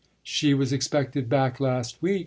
"She was expected back last week.